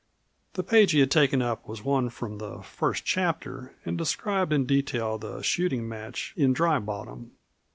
The page he had taken up was one from the first chapter and described in detail the shooting match in Dry Bottom.